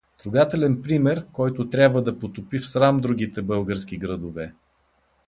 Трогателен пример, който трябва да потопи в срам другите български градове.